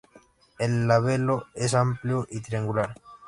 El labelo es amplio y triangular.